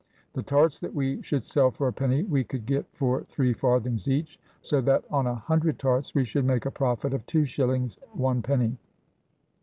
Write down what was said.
The tarts that we should sell for a penny we could get for three farthings each, so that on a hundred tarts we should make a profit of 2 shillings 1 penny.